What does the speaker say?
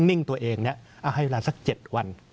นิ่งตัวเองให้เวลาสัก๗วัน